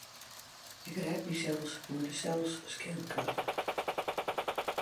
Ik rêd mysels mei de selsscankassa.